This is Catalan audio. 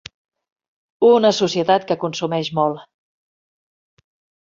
Una societat que consumeix molt.